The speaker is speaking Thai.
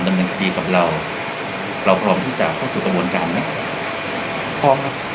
ดำแห่งคารีกับเราเรารอมที่จะเข้าสู่กระบวนกันไหม